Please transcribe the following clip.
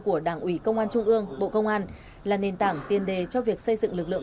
của đảng ủy công an trung ương bộ công an là nền tảng tiền đề cho việc xây dựng lực lượng